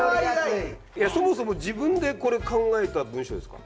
いやそもそも自分でこれ考えた文章ですか？